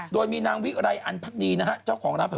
โดยมีนางวิไรอันพักดีนะฮะเจ้าของร้าน